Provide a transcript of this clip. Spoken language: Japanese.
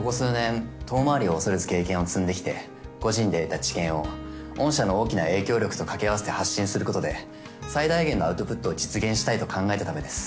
遠回りを恐れず経験を積んできて個人で得た知見を御社の大きな影響力と掛け合わせて発信することで最大限のアウトプットを実現したいと考えたためです。